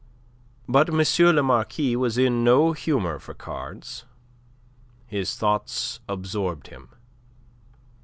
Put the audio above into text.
But M. le Marquis was in no humour for cards. His thoughts absorbed him.